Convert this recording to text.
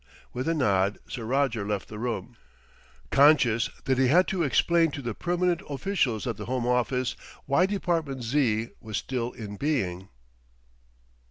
With a nod Sir Roger left the room, conscious that he had to explain to the permanent officials at the Home Office why Department Z. was still in being.